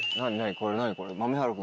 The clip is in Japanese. これ何？